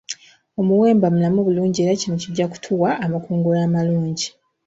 Omuwemba mulamu bulungi era kino kijja kutuwa amakungula amalungi.